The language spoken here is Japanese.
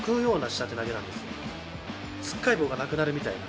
つっかえ棒がなくなるみたいな。